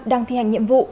đang thi hành nhiệm vụ